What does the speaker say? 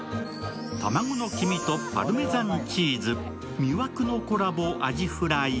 卵の黄身とパルメザンチーズ、魅惑のコラボ、アジフライ。